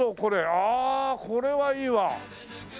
ああこれはいいわ。